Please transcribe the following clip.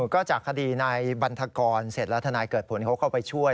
ก็จากคดีนายบันทกรเสร็จแล้วทนายเกิดผลเขาเข้าไปช่วย